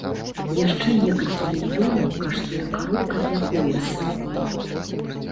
Яшчэ некалькі мільёнаў каштуе каробка для пояса.